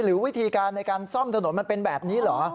หรือวิธีการในการซ่อมถนนมันเป็นแบบนี้เหรอ